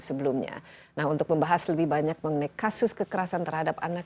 sebelumnya nah untuk membahas lebih banyak mengenai kasus kekerasan terhadap anak